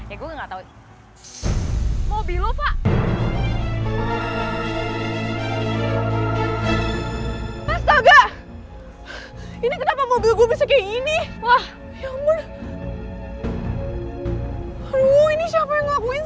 aduh ini siapa yang ngelakuin sih kok bisa kayak gini mobil gue